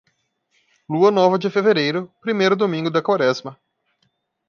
Lua nova de fevereiro, primeiro domingo da Quaresma.